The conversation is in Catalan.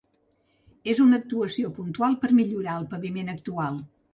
Es una actuació puntual per millorar el paviment actual.